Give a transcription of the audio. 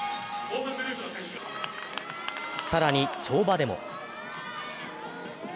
更に跳馬でも。